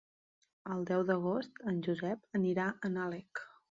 El deu d'agost en Josep anirà a Nalec.